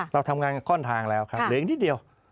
เราทำงานก้อนทางแล้วครับเหลืออีกนิดเดียว